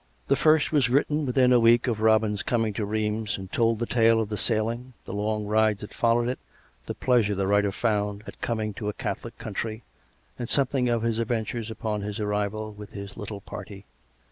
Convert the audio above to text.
The first was written within a week of Robin's coming 138 COME RACK! COME ROPE! to Rheims, and told the tale of the sailing, the long rides that followed it, the pleasure the writer found at coming to a Catholic country, and something of his adventures upon his arrival with his little party.